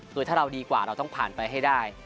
คือถ้าเราดีกว่าเราต้องผ่านไปให้ได้